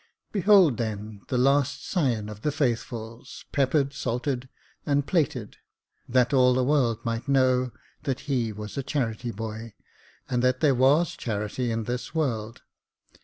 Behold, then, the last scion of the Faithfuls, peppered, salted, and plated, that all the world might know that he was a charity boy, and that there was charity in this world.